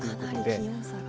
かなり気温差が。